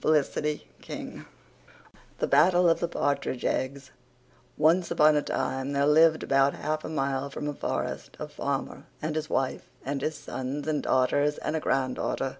FELICITY KING. THE BATTLE OF THE PARTRIDGE EGGS Once upon a time there lived about half a mile from a forrest a farmer and his wife and his sons and daughters and a granddaughter.